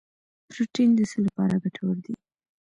پروټین د څه لپاره ګټور دی